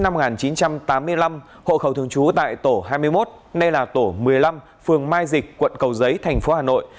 dương văn thao sinh năm một nghìn chín trăm tám mươi năm hộ khẩu thường trú tại tổ hai mươi một nay là tổ một mươi năm phường mai dịch quận cầu giấy thành phố hà nội